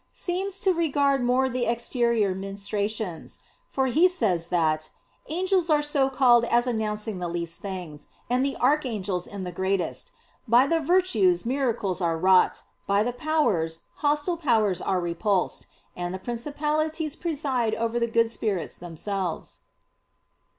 seems to regard more the exterior ministrations; for he says that "angels are so called as announcing the least things; and the archangels in the greatest; by the virtues miracles are wrought; by the powers hostile powers are repulsed; and the principalities preside over the good spirits themselves."